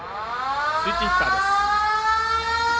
スイッチヒッターです。